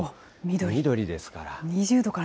緑ですから。